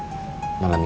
kalau begitu akang pamit